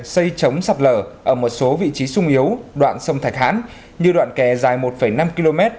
xây chống sạt lở ở một số vị trí sung yếu đoạn sông thạch hãn như đoạn kè dài một năm km